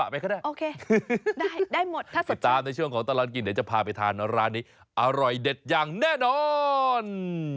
ไปตามในช่วงของตลัดกินเดี๋ยวจะพาไปทานร้านนี้อร่อยเด็ดอย่างแน่นอน